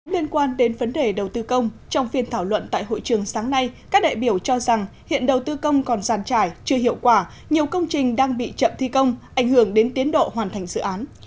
liên quan đến vấn đề đầu tư công trong phiên thảo luận tại hội trường sáng nay các đại biểu cho rằng hiện đầu tư công còn giàn trải chưa hiệu quả nhiều công trình đang bị chậm thi công ảnh hưởng đến tiến độ hoàn thành dự án